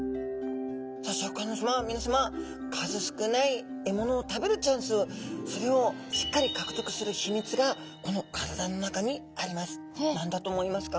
数少ない獲物を食べるチャンスそれをしっかり獲得する秘密がこの体の中にあります。